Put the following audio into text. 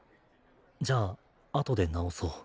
じゃああとで直そう。